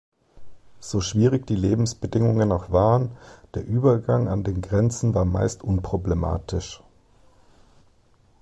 So schwierig die Lebensbedingungen auch waren, der Übergang an den Grenzen war meist unproblematisch.